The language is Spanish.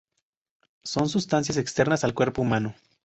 Son sustancias externas al cuerpo humano.